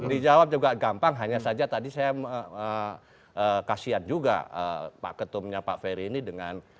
dijawab juga gampang hanya saja tadi saya kasian juga pak ketumnya pak ferry ini dengan